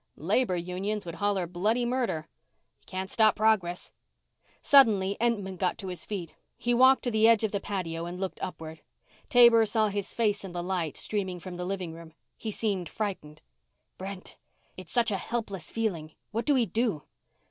"Labor unions would holler bloody murder." "You can't stop progress." Suddenly Entman got to his feet. He walked to the edge of the patio and looked upward. Taber saw his face in the light streaming from the living room he seemed frightened. "Brent! It's such a helpless feeling. What do we do?"